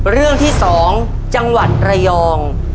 เรื่องที่๒จังหวัดระยอง